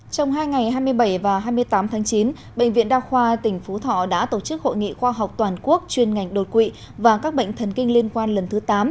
trong hai ngày hai mươi bảy và hai mươi tám tháng chín bệnh viện đa khoa tỉnh phú thọ đã tổ chức hội nghị khoa học toàn quốc chuyên ngành đột quỵ và các bệnh thần kinh liên quan lần thứ tám